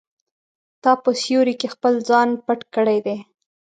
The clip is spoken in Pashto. تا په سیوري کې خپل ځان پټ کړی دی.